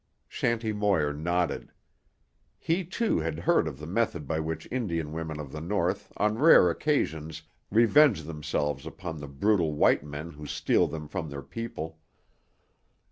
Shanty Moir nodded. He, too, had heard of the method by which Indian women of the North on rare occasions revenge themselves upon the brutal white men who steal them from their people.